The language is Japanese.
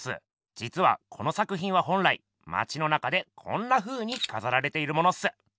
じつはこの作品は本来まちの中でこんなふうにかざられているものっす。